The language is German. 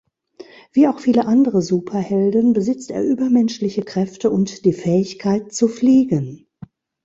Wie auch viele andere Superhelden besitzt er übermenschliche Kräfte und die Fähigkeit zu fliegen.